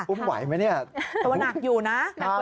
แต่ว่านักอยู่นะ